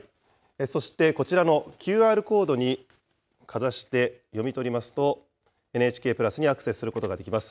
そしてこちらのＱＲコードにかざして読み取りますと、ＮＨＫプラスにアクセスすることができます。